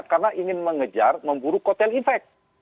karena ingin mengejar memburu kotel ifek